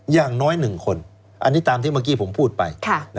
อย่างน้อย๑คนอันนี้ตามที่เมื่อกี้ผมพูดไป